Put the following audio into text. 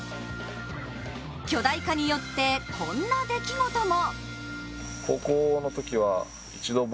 巨大化によってこんな出来事も。